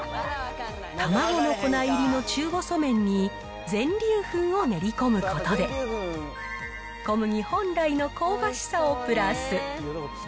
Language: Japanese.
卵の粉入りの中細麺に全粒粉を練り込むことで、小麦本来の香ばしさをプラス。